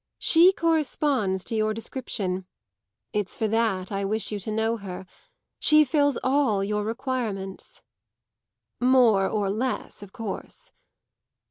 She corresponds to your description; it's for that I wish you to know her. She fills all your requirements." "More or less, of course."